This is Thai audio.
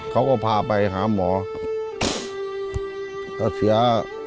คิดดูว่าป่าป่ามีทั้งวันทั้งคืน